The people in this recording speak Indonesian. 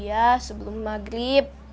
iya sebelum maghrib